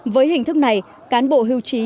với hình thức này cán bộ hưu trí